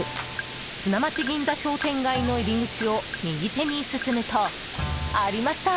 砂町銀座商店街の入り口を右手に進むと、ありました。